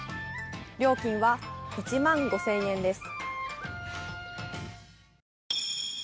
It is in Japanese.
料金は１万５０００円です。